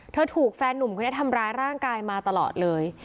เธอถูกแฟนนุ่มเขาเนี่ยทำร้ายร่างกายมาตลอดเลย